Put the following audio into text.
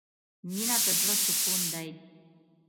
مینه د زړه سکون دی.